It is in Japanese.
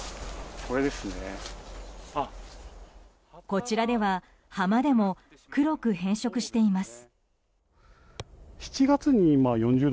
こちらでは、葉までも黒く変色しています。